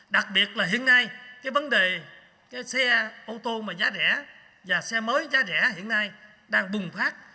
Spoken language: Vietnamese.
đặc biệt là hiện nay cái vấn đề cái xe ô tô mà giá rẻ và xe mới giá rẻ hiện nay đang bùng phát